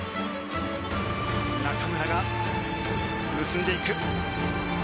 中村が結んでいく。